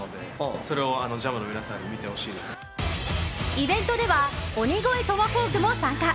イベントでは鬼越トマホークも参加。